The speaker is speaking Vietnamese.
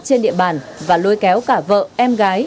trên địa bàn và lôi kéo cả vợ em gái